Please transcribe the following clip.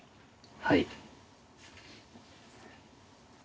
はい。